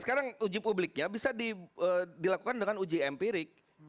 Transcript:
sekarang uji publiknya bisa dilakukan dengan uji empirik